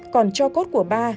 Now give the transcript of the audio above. còn cho cốt của ba